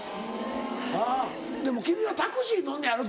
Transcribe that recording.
あぁでも君はタクシー乗んのやろ？